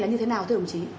là như thế nào thưa đồng chí